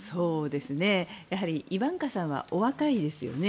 やはりイバンカさんはお若いですよね。